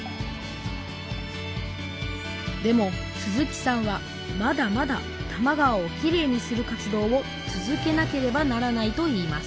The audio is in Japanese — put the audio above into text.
でも鈴木さんはまだまだ多摩川をきれいにする活動を続けなければならないと言います